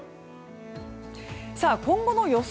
今後の予想